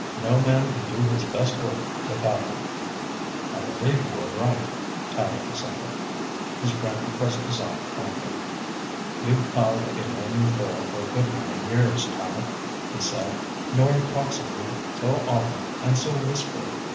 No man can do his best work without her." "I believe you are right," Tallente assented. His friend pressed his arm kindly. "You've ploughed a lonely furrow for a good many years, Tallente," he said. "Nora talks of you so often and so wistfully.